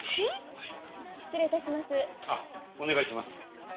あっお願いします。